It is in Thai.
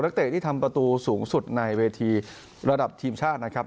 เตะที่ทำประตูสูงสุดในเวทีระดับทีมชาตินะครับ